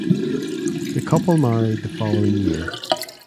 The couple married the following year.